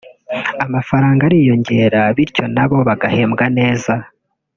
amafaranga ariyongera bityo nab o bagahembwa neza